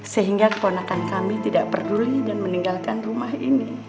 sehingga keponakan kami tidak peduli dan meninggalkan rumah ini